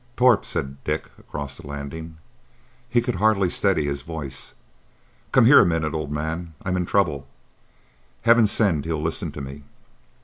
"Torp," said Dick, across the landing. He could hardly steady his voice. "Come here a minute, old man. I'm in trouble'—"Heaven send he'll listen to me!"